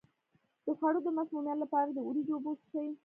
د خوړو د مسمومیت لپاره د وریجو اوبه وڅښئ